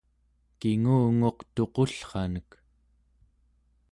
kingunguq tuqullranek